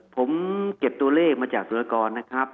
ผมเก็บตัวเลขมาจากสุรกรนะครับ